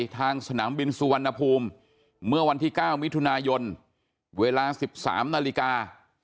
สนามบินสุวรรณภูมิเมื่อวันที่๙มิถุนายนเวลา๑๓นาฬิกา